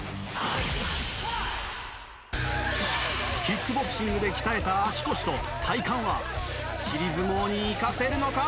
キックボクシングで鍛えた足腰と体幹は尻相撲に生かせるのか！？